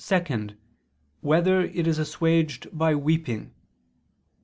(2) Whether it is assuaged by weeping?